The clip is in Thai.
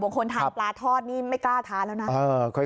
คนทานปลาทอดนี่ไม่กล้าทานแล้วนะ